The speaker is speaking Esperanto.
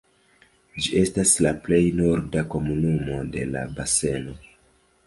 Ĝi estas la plej norda komunumo de la baseno.